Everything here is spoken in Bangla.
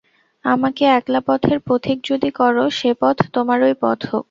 আমাকে একলাপথের পথিক যদি কর সে পথ তোমারই পথ হোক!